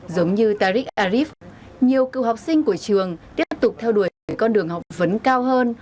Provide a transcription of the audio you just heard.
giống như taric arif nhiều cựu học sinh của trường tiếp tục theo đuổi để con đường học vấn cao hơn